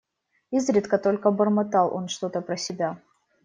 Изредка только бормотал он что-то про себя.